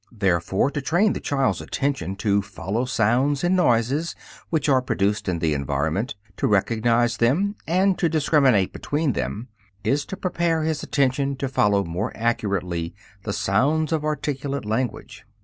Therefore, to train the child's attention to follow sounds and noises which are produced in the environment, to recognize them and to discriminate between them, is to prepare his attention to follow more accurately the sounds of articulate language.